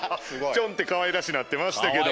ちょんってかわいらしなってましたけども。